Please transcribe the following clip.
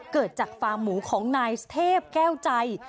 เกิดจากฟาร์มหมูของนายเทพแก้วใจ